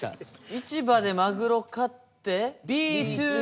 市場でマグロ買ってＢ２